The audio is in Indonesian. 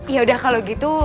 yaudah kalau gitu